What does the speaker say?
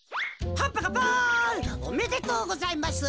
パッパカパン！おめでとうございます。